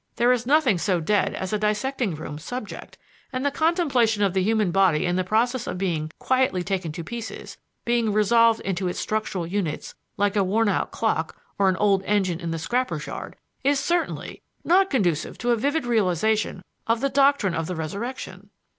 There is nothing so dead as a dissecting room 'subject'; and the contemplation of the human body in the process of being quietly taken to pieces being resolved into its structural units like a worn out clock or an old engine in the scrapper's yard is certainly not conducive to a vivid realization of the doctrine of the resurrection."